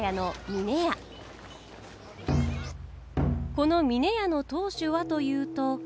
この峰屋の当主はというと。